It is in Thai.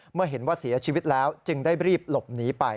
เมื่อเห็นว่าเสียชีวิตแล้วจึงได้รีบหลบหนีไป